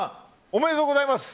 おめでとうございます。